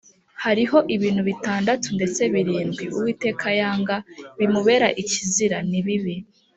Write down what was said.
hariho ibintu bitandatu ndetse birindwi, uwiteka yanga bimubera ikizira ni ibi: